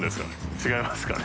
違いますかね？